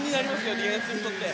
ディフェンスにとって。